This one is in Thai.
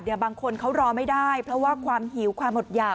บางคนเขารอไม่ได้เพราะว่าความหิวความอดหยาก